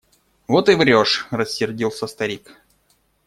Вот и врешь! – рассердился старик.